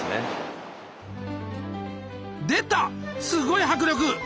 すごい迫力！